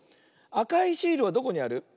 あかいシールはどこにある？